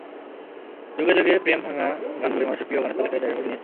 যুগে যুগে প্রেম ভাঙা গানগুলোই মানুষের প্রিয় গানের তালিকায় জায়গা করে নিয়েছে।